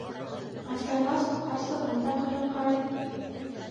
Ҡартайғас, ҡарсығың да ҡырын ҡарай.